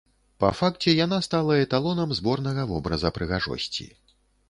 Па факце яна стала эталонам зборнага вобраза прыгажосці.